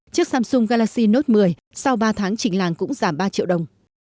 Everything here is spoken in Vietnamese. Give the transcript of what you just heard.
chiếc samsung galaxy note một mươi sau ba tháng chỉnh làng cũng giảm ba triệu đồng